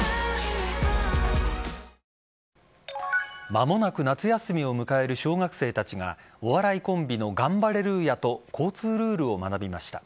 間もなく夏休みを迎える小学生たちがお笑いコンビのガンバレルーヤと交通ルールを学びました。